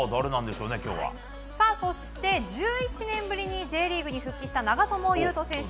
そして、１１年ぶりにＪリーグに復帰した長友佑都選手